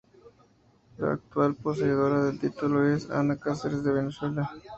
La actual poseedora del título es Ana Cáceres de Venezuela.